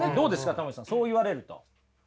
たま虫さんそう言われると。